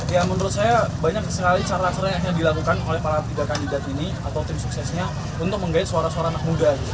ya menurut saya banyak sekali cara cara yang dilakukan oleh para tiga kandidat ini atau tim suksesnya untuk menggait suara suara anak muda